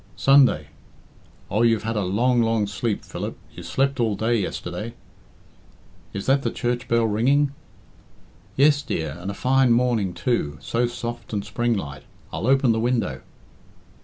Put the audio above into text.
"Sunday. Oh, you've had a long, long sleep, Philip. You slept all day yesterday." "Is that the church bell ringing?" "Yes, dear, and a fine morning, too so soft and springlike. I'll open the window."